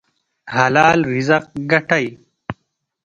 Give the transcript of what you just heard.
حلال رزق ګټئ